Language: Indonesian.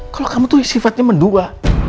kalau kamu tuh sifatnya mendua